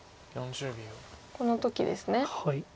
この時ですね。